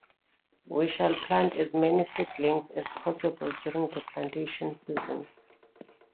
We shall plant as many seedlings as possible during the plantation seasons.